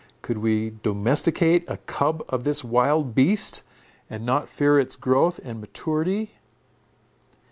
Could we domesticate a cub of this wild beast, and not fear its growth and maturity?